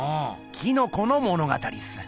「キノコ」の物語っす。